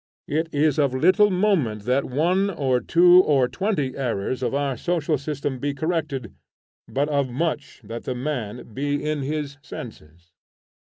It is of little moment that one or two or twenty errors of our social system be corrected, but of much that the man be in his senses.